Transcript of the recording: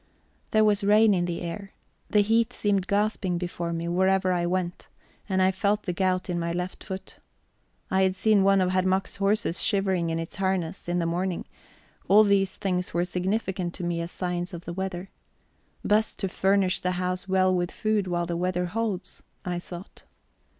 There was rain in the air; the heat seemed gasping before me wherever I went, and I felt the gout in my left foot; I had seen one of Herr Mack's horses shivering in its harness in the morning; all these things were significant to me as signs of the weather. Best to furnish the house well with food while the weather holds, I thought.